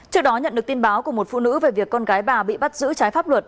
trước đó nhận được tin báo của một phụ nữ về việc con gái bà bị bắt giữ trái pháp luật